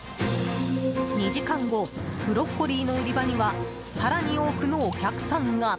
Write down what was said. ２時間後ブロッコリーの売り場には更に多くのお客さんが。